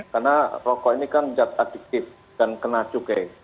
karena rokok ini kan zat adiktif dan kena cukai